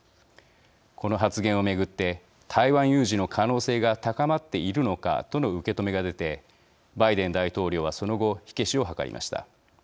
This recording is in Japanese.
この発言を巡って台湾有事の可能性が高まっているのかとの受け止めが出てバイデン大統領はその後火消しを図りました。